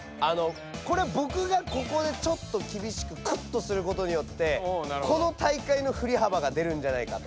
これはぼくがここでちょっときびしくクッとすることによってこの大会のふりはばが出るんじゃないかと。